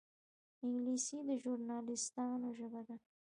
انګلیسي د ژورنالېستانو ژبه ده